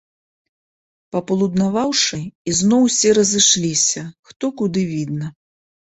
Папалуднаваўшы, ізноў усе разышліся, хто куды відна.